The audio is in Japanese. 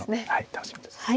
楽しみです。